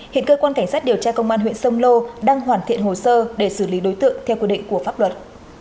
hiện cơ quan cảnh sát điều tra công an huyện sông lô đang hoàn thiện hồ sơ để xử lý đối tượng theo quy định của pháp luật